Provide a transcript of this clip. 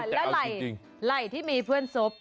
แล้วไหล่ที่มีเพื่อนซบ